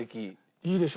いいでしょ？